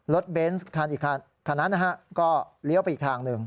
รถเบนส์ขนาดนั้นก็เลี้ยวไปอีกทางหนึ่ง